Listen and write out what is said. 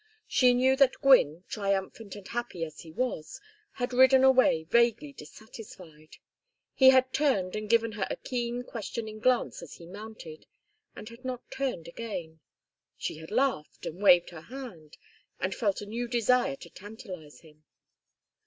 She knew that Gwynne, triumphant and happy as he was, had ridden away vaguely dissatisfied. He had turned and given her a keen questioning glance as he mounted, and had not turned again. She had laughed, and waved her hand, and felt a new desire to tantalize him.